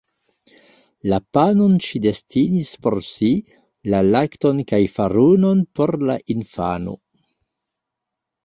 La panon ŝi destinis por si, la lakton kaj farunon por la infano.